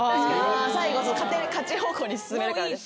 最後勝ち方向に進めるからですか？